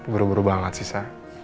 buru buru banget sih sa